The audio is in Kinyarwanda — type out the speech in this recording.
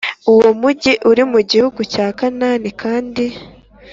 Uwo mugi uri mu gihugu cya Kanani kandi